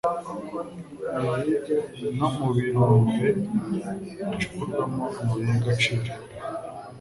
no mu birombe bicukurwamo amabuye y'agaciro.